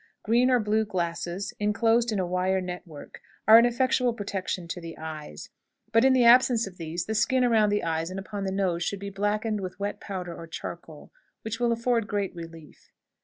Green or blue glasses, inclosed in a wire net work, are an effectual protection to the eyes; but, in the absence of these, the skin around the eyes and upon the nose should be blackened with wet powder or charcoal, which will afford great relief.